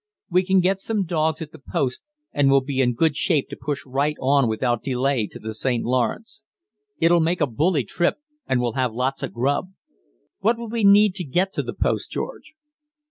We can get some dogs at the post, and we'll be in good shape to push right on without delay to the St. Lawrence. It'll make a bully trip, and we'll have lots of grub. What would we need to get at the post, George?"